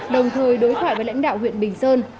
đồng thời đối thoại với lãnh đạo huyện bình sơn